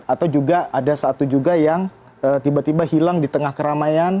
atau juga ada satu juga yang tiba tiba hilang di tengah keramaian